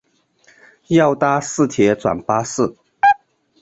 要搭市铁转巴士